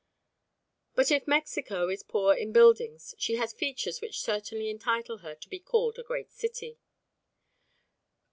But if Mexico is poor in buildings, she has features which certainly entitle her to be called a great city.